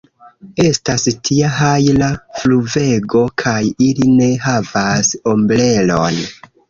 Estas tia hajla pluvego kaj ili ne havas ombrelon!